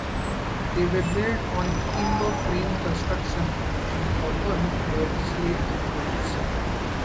They were built of timber frame construction and often had slate roofs.